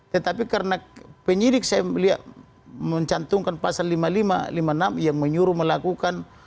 tetapi karena penyidik saya melihat mencantumkan pasal lima puluh lima lima puluh enam yang menyuruh melakukan